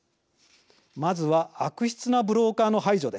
まずは悪質なブローカーの排除です。